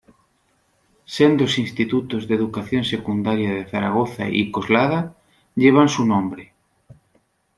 Sendos Institutos de Educación Secundaria de Zaragoza y Coslada llevan su nombre.